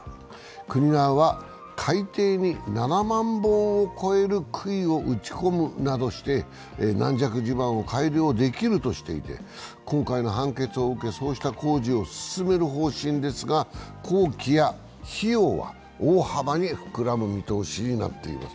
国側は海底に７本を超える杭を打ち込むなどして軟弱地盤を改良できるとしていて今回の判決を受け、そうした工事を進める方針ですが工期や費用は大幅に膨らむ見通しとなっています。